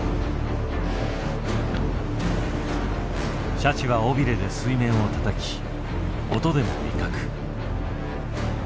シャチは尾びれで水面をたたき音でも威嚇。